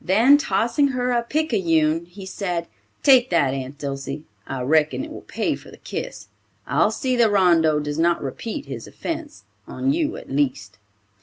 Then tossing her a picayune, he said, "take that, Aunt Dilsey. I reckon it will pay for the kiss. I'll see that Rondeau does not repeat his offense, on you at least."